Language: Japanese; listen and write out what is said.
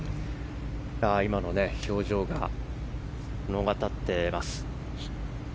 今の表情が物語っています。